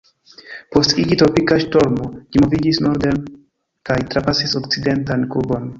Post iĝi tropika ŝtormo, ĝi moviĝis norden kaj trapasis okcidentan Kubon.